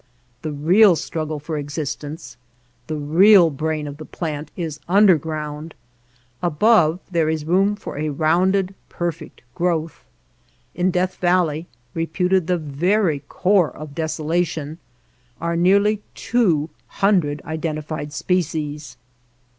The real struggle for existence, the real brain of the plant, is underground ; above ' there is room for a rounded perfect growth. In Death Valley, reputed the very core of desolation, are nearly two hundred identi fied species.